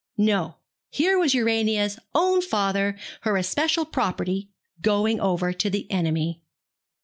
No. Here was Urania's own father, her especial property, going over to the enemy.